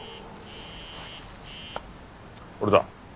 俺だ。